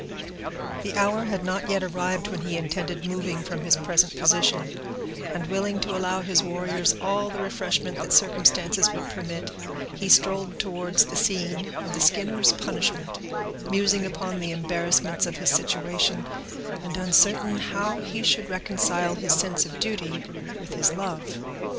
The hour had not yet arrived when he intended moving from his present position; and, willing to allow his warriors all the refreshment that circumstances would permit, he strolled towards the scene of the Skinners' punishment, musing upon the embarrassments of his situation, and uncertain how he should reconcile his sense of duty with his love.